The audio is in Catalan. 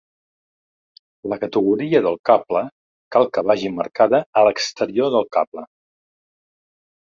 La categoria del cable cal que vagi marcada a l'exterior del cable.